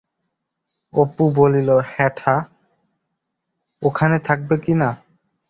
অপু বলিল, হ্যাঁঠা, ওখানে থাকবে কিনা?